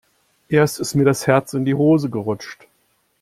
Erst ist mir das Herz in die Hose gerutscht.